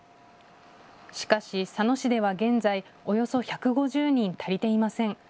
しかし佐野市では現在、およそ１５０人足りていません。